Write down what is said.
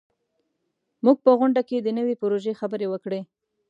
موږ په غونډه کې د نوي پروژې خبرې وکړې.